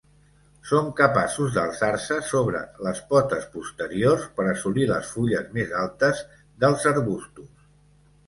Són capaços d'alçar-se sobre les potes posteriors per assolir les fulles més altes dels arbustos.